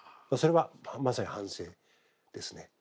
それはまさに反省ですね。